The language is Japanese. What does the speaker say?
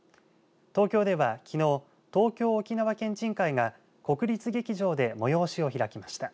東京では、きのう東京沖縄県人会が国立劇場で催しを開きました。